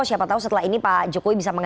siapa tahu setelah ini pak jokowi bisa